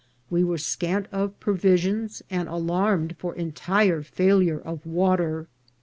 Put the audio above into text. We were scant of provis ions, and alarmed for entire failure of water.